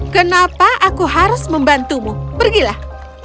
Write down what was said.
kenapa aku harus membantumu pergilah